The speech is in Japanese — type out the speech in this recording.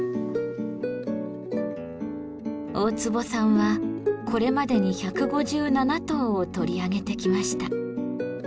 大坪さんはこれまでに１５７頭を取り上げてきました。